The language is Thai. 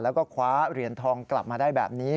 แล้วก็คว้าเหรียญทองกลับมาได้แบบนี้